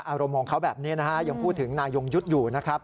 อารมณ์ของเขาแบบนี้นะฮะยังพูดถึงนายยงยุทธ์อยู่นะครับ